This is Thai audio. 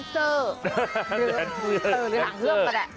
ดันเซอร์หรือหางเครื่องก็ได้